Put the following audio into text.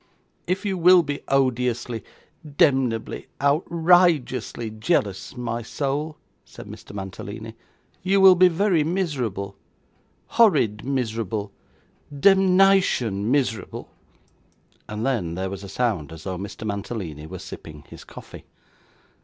'If you will be odiously, demnebly, outr_i_geously jealous, my soul,' said Mr. Mantalini, 'you will be very miserable horrid miserable demnition miserable.' And then, there was a sound as though Mr. Mantalini were sipping his coffee.